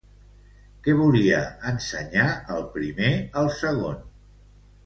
Què volia ensenyar el primer al segon?